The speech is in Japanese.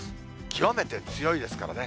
極めて強いですからね。